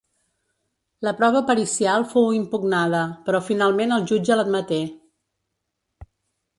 La prova pericial fou impugnada, però finalment el jutge l'admeté.